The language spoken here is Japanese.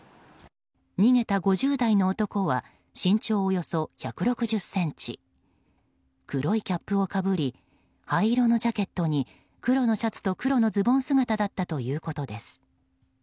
逃げた５０代の男は身長およそ１６０ｃｍ黒いキャップをかぶり灰色のジャケットに黒のシャツと黒のズボン姿だったということです。